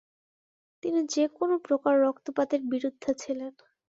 তিনি যেকোন প্রকার রক্তপাতের বিরুদ্ধে ছিলেন।